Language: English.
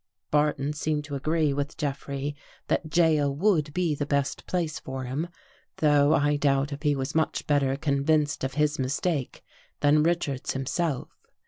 Barton seemed to agree with Jeffrey that jail would be the best place for him, though I doubt if he was much better convinced of his mistake than Richards himself.